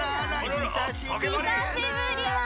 ひさしぶり。